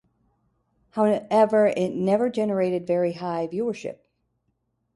However, it never generated very high viewership.